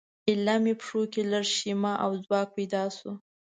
ایله مې پښو کې لږه شیمه او ځواک پیدا شو.